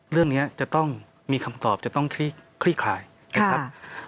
เรื่องนี้จะต้องมีคำตอบจะต้องคลี่คลายนะครับ